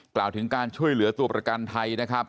กล่าวถึงการช่วยเหลือตัวประกันไทยนะครับ